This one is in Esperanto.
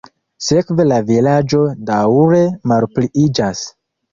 Sekve la vilaĝo daŭre malpliiĝas.